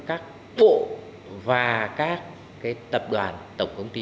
các bộ và các tập đoàn tổng công ty